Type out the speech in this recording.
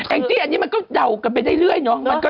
แอ่นี่มันก็เดาไปได้เรื่อยทางโต